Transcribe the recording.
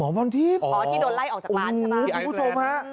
อันไหนอ๋อที่โดนไล่ออกจากร้านใช่มั้ยอ๋อพี่ผู้ชมฮะ